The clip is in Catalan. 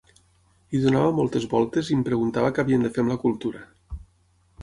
Hi donava moltes voltes i em preguntava què havíem de fer amb la cultura.